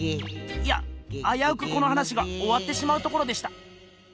いやあやうくこの話がおわってしまうところでした。